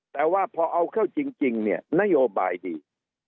แต่ว่าพอเอาเข้าจริงเนี่ยนโยบายดี